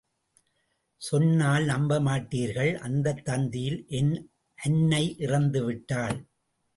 சொன்னால் நம்பமாட்டீர்கள் அந்தத் தந்தியில் என் அன்னை இறந்து விட்டாள்.